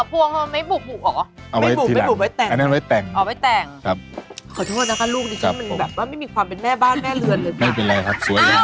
แล้วแม่ของแม่ยกครกขึ้นมากินอย่างนี้เลยนะ